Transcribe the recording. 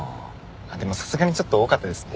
でもさすがにちょっと多かったですね。